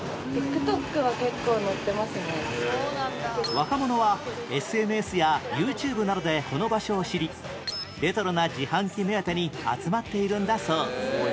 若者は ＳＮＳ や ＹｏｕＴｕｂｅ などでこの場所を知りレトロな自販機目当てに集まっているんだそう